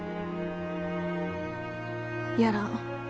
やらん。